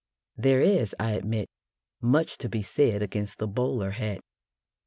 There is, I admit, much to be said against the bowler hat.